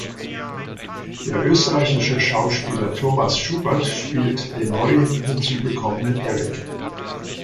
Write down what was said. Der österreichische Schauspieler Thomas Schubert spielt den neu hinzugekommenen Erik.